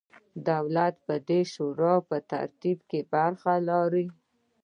دولت به د دې شورا په ترتیب کې برخه ولري.